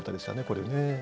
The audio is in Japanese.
これね。